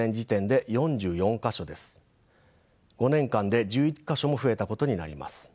５年間で１１か所も増えたことになります。